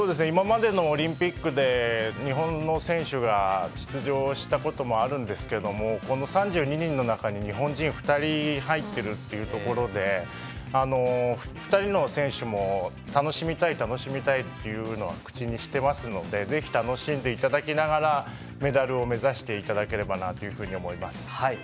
今までのオリンピックで日本の選手が出場したこともあるんですけども３２人の選手の中に日本人が２人、入っているということで２人の選手も楽しみたい楽しみたいというのは口にしてますのでぜひ楽しんでいただきながらメダルを目指していただければと思います。